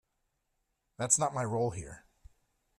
That's not my role here.